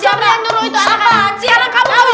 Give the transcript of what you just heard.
sobri yang nyuruh